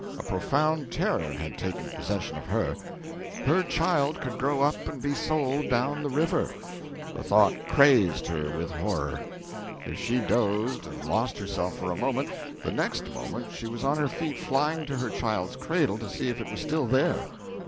A profound terror had taken possession of her. Her child could grow up and be sold down the river! The thought crazed her with horror. If she dozed and lost herself for a moment, the next moment she was on her feet flying to her child's cradle to see if it was still there.